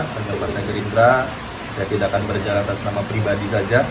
pengerupan dari gerindra saya tidak akan berjalan jalan sama pribadi saja